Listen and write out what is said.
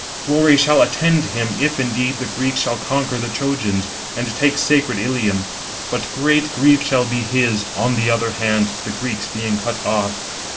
Glory shall attend him, if, indeed, the Greeks shall conquer the Trojans, and take sacred Ilium; but great grief shall be his, on the other hand, the Greeks being cut off.